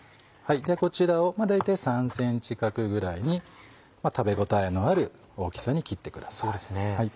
でこちらを大体３ｃｍ角ぐらいに食べ応えのある大きさに切ってください。